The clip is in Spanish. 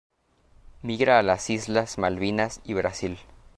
Migra a las islas Malvinas y Brasil.